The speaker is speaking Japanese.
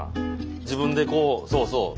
自分でこうそうそう。